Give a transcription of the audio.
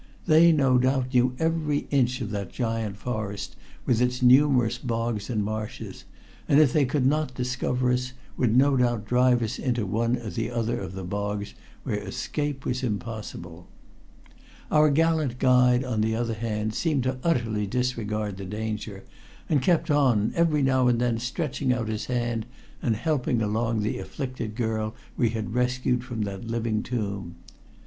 They, no doubt, knew every inch of that giant forest with its numerous bogs and marshes, and if they could not discover us would no doubt drive us into one or other of the bogs, where escape was impossible. Our gallant guide, on the other hand, seemed to utterly disregard the danger and kept on, every now and then stretching out his hand and helping along the afflicted girl we had rescued from that living tomb.